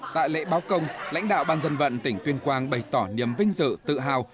tại lễ báo công lãnh đạo ban dân vận tỉnh tuyên quang bày tỏ niềm vinh dự tự hào